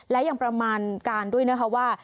และยังประมาณการด้วยนะคะว่า